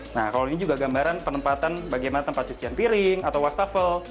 nah kalau ini juga gambaran penempatan bagaimana tempat cucian piring atau wastafel